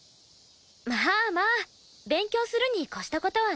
まあまあ勉強するに越した事はないし。